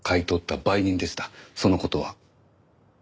その事は？